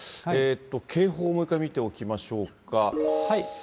警報をもう一回見ておきましょうか。